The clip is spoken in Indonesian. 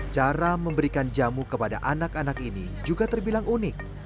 cara memberikan jamu kepada anak anak ini juga terbilang unik